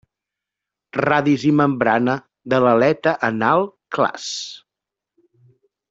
Radis i membrana de l'aleta anal clars.